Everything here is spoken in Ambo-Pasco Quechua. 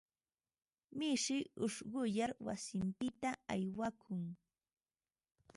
Mishi ushquyar wasinpita aywakun.